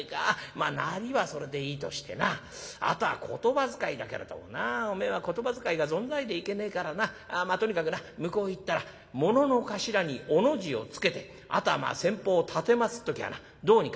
まあなりはそれでいいとしてなあとは言葉遣いだけれどもなおめえは言葉遣いがぞんざいでいけねえからなとにかくな向こう行ったらものの頭に『お』の字をつけてあとはまあ先方を奉っておきゃあなどうにかなるから」。